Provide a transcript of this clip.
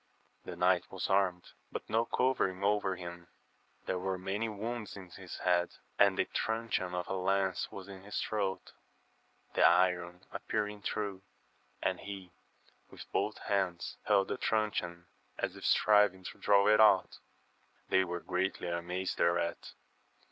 The knight was armed, but no covering over him ; there were many wounds in his head, and the tnicheon of a lance was in his throat, the iron appear ing through, and he with both hands held the trun cheon, as if striving to draw it out. They were greatly amazed thereat.